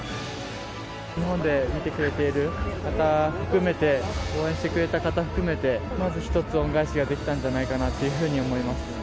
日本で見てくれている方を含めて、応援してくれた方含めて、まず一つ、恩返しができたんじゃないかなというふうに思います。